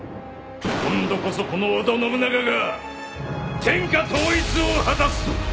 今度こそこの織田信長が天下統一を果たすと！